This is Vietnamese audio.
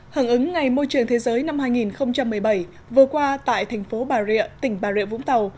hưởng ứng ngày môi trường thế giới năm hai nghìn một mươi bảy vừa qua tại thành phố bà rịa tỉnh bà rịa vũng tàu